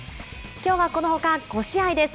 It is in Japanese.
きょうはこのほか５試合です。